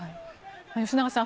吉永さん